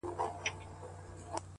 بيا دي ستني ډيري باندي ښخي کړې؛